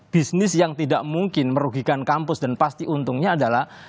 bisnis yang tidak mungkin merugikan kampus dan pasti untungnya adalah